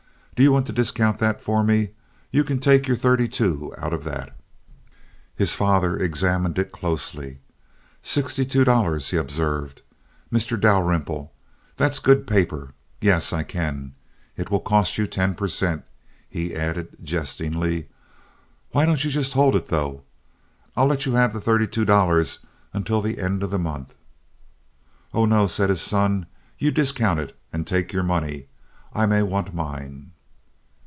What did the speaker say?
"Do you want to discount that for me? You can take your thirty two out of that." His father examined it closely. "Sixty two dollars!" he observed. "Mr. Dalrymple! That's good paper! Yes, I can. It will cost you ten per cent.," he added, jestingly. "Why don't you just hold it, though? I'll let you have the thirty two dollars until the end of the month." "Oh, no," said his son, "you discount it and take your money. I may want mine."